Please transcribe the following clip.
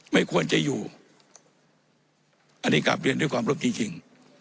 ไม่ควรจะอยู่อันนี้กลับเรียนด้วยความรบที่จริง